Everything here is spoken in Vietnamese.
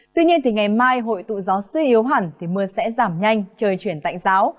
tuy nhiên thì ngày mai hội tụ gió suy yếu hẳn thì mưa sẽ giảm nhanh trời chuyển tạnh giáo